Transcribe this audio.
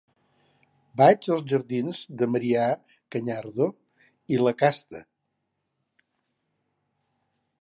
Vaig als jardins de Marià Cañardo i Lacasta.